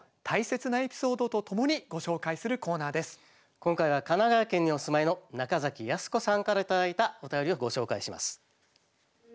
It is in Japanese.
今回は神奈川県にお住まいの中泰子さんから頂いたお便りをご紹介します。